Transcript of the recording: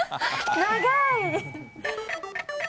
長い！